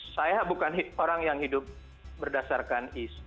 saya bukan orang yang hidup berdasarkan east